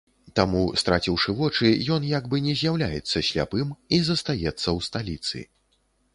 Таму, страціўшы вочы, ён як бы не з'яўляецца сляпым і застаецца ў сталіцы.